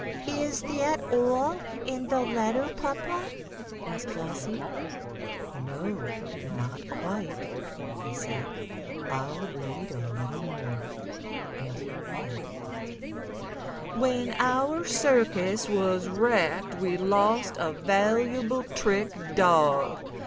"Is that all in the letter, papa?" asked Flossie. "No, not quite," he said. "I'll read a little more," and he read: "When our circus was wrecked we lost a valuable trick dog.